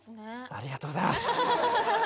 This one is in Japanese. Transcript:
ありがとうございます。